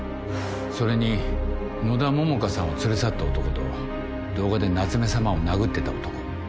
それに野田桃花さんを連れ去った男と動画で夏目さまを殴ってた男。